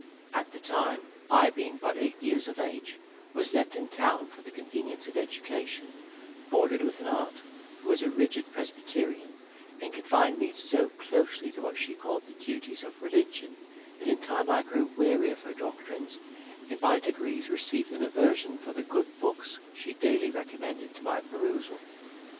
At that time, I being but eight years of age, was left in town for the convenience of education, boarded with an aunt, who was a rigid presbyterian, and confined me so closely to what she called the duties of religion, that in time I grew weary of her doctrines, and by degrees received an aversion for the good books, she daily recommended to my perusal.